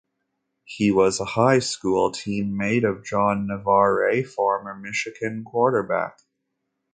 He was a high school teammate of John Navarre, former Michigan quarterback.